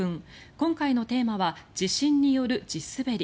今回のテーマは地震による地滑り。